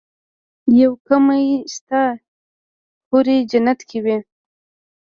يو کمی شته حورې جنت کې وي.